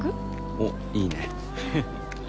おっいいね